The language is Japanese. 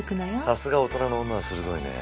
さすが大人の女は鋭いね。